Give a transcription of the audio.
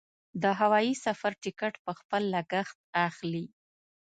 د هوايي سفر ټکټ په خپل لګښت اخلي.